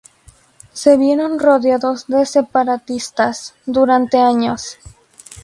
Se vieron rodeados de separatistas durante años.